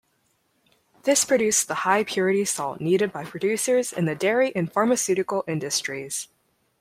This produced the high-purity salt needed by producers in the dairy and pharmaceutical industries.